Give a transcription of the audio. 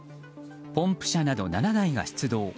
ポンプ車など７台が出動。